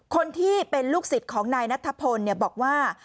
คนที่เป็นลูกศิษย์ของนายนัทธพลบอกว่า